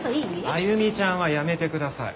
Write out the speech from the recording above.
「歩ちゃん」はやめてください。